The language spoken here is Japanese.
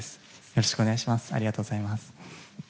よろしくお願いします。